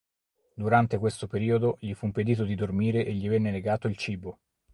Durante questo periodo gli fu impedito di dormire e gli venne negato il cibo.